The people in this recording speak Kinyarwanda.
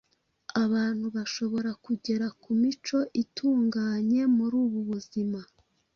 abantu bashobora kugera ku mico itunganye muri ubu buzima.